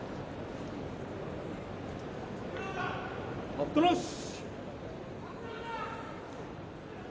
待ったなし。